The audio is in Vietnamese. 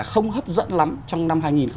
không hấp dẫn lắm trong năm hai nghìn hai mươi